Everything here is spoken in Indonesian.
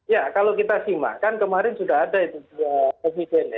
ya kalau kita simak kan kemarin sudah ada itu